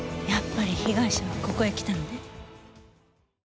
やっぱり被害者はここへ来たのね。